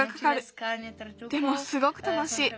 でもすごくたのしい。